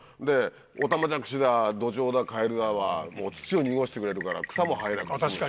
オタマジャクシだドジョウだカエルだは土を濁してくれるから草も生えなかったりね。